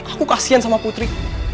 aku kasian sama putri